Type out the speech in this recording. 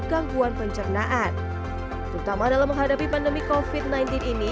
gangguan pencernaan terutama dalam menghadapi pandemi kofit sembilan belas ini